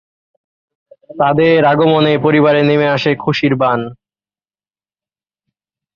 তাদের আগমনে পরিবারে নেমে আসে খুশির বান।